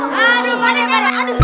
pakde aku masuk